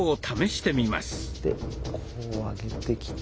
こう上げてきて。